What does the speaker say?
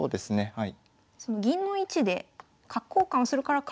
はい。